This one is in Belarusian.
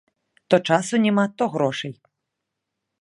То часу няма, то грошай.